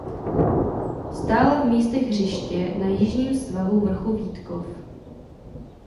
Stála v místech hřiště na jižním svahu vrchu Vítkov.